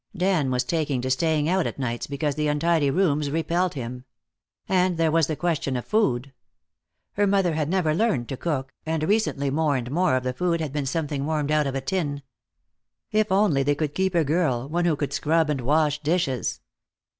Dan was taking to staying out at nights, because the untidy rooms repelled him. And there was the question of food. Her mother had never learned to cook, and recently more and more of the food had been something warmed out of a tin. If only they could keep a girl, one who would scrub and wash dishes.